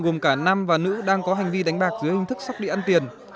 gồm cả nam và nữ đang có hành vi đánh bạc dưới hình thức sóc địa ăn tiền